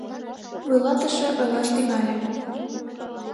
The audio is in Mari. Вуйлатыше ойлаш тӱҥале.